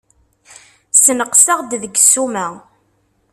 Sneqseɣ-d deg ssuma.